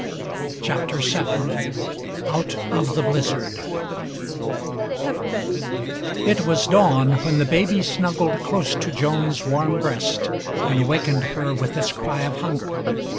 CHAPTER VII OUT OF THE BLIZZARD It was dawn when the baby snuggled close to Joan's warm breast and awakened her with its cry of hunger.